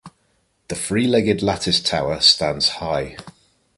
The three-legged lattice tower stands high.